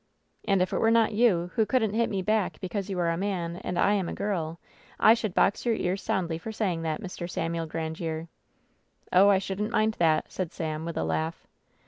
"And if it were not you, who couldn't hit me back because you are a man and I am a girl, I should box your ears soundly for saying that, Mr. Samuel Qran diere !" "Oh, I shouldnH mind that,'' said Sam, with a laugh.